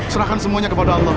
serahkan semuanya kepada allah